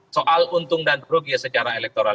soal untung dan rugi secara elektoral